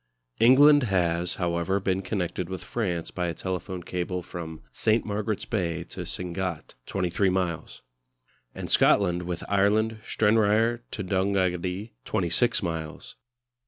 England has, however, been connected with France by a telephone cable from St. Margaret's Bay to Sangatte, 23 miles; and Scotland with Ireland, Stranraer to Donaghadee, 26 miles.